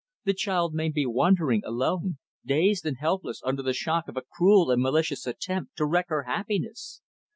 The child may be wandering, alone dazed and helpless under the shock of a cruel and malicious attempt to wreck her happiness.